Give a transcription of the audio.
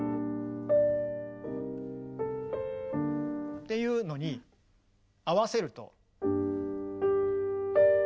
っていうのに合わせると。